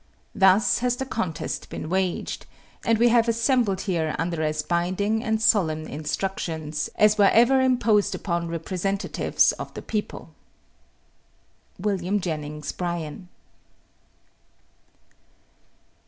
Thus has the contest been waged, and we have assembled here under as binding and solemn instructions as were ever imposed upon representatives of the people. WILLIAM JENNINGS BRYAN.